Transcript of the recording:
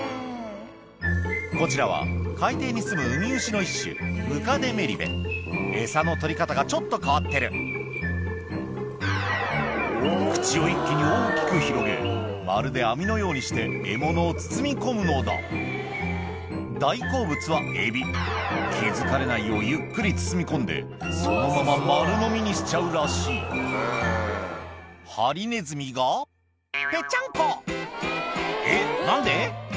こちらは海底にすむウミウシの一種餌の取り方がちょっと変わってる口を一気に大きく広げまるで網のようにして獲物を包み込むのだ大好物はエビ気付かれないようゆっくり包み込んでそのまま丸のみにしちゃうらしいハリネズミがぺっちゃんこえっ何で？